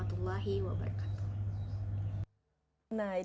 nah itu dia yang memang